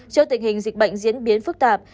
trước tình hình dịch bệnh diễn biến phức tạp